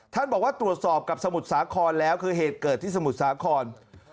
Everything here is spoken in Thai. ท่านบอกว่าตรวจสอบกับสมุทรสาครแล้วคือเหตุเกิดที่สมุทรสาคร